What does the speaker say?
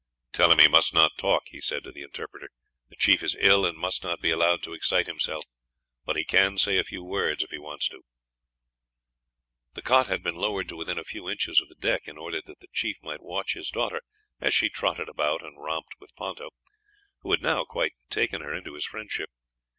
"Tell him he must not talk," he said to the interpreter; "the chief is ill and must not be allowed to excite himself. But he can say a few words, if he wants to." The cot had been lowered to within a few inches of the deck in order that the chief might watch his daughter as she trotted about and romped with Ponto, who had now quite taken her into his friendship.